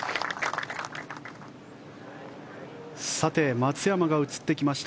松山が映ってきました。